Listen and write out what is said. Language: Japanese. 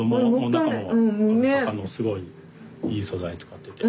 中もすごいいい素材使ってて。